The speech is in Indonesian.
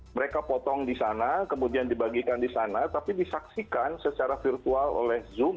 mereka potong di sana kemudian dibagikan di sana tapi disaksikan secara virtual oleh zoom